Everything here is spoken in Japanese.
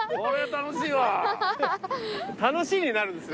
楽しいになるんですね。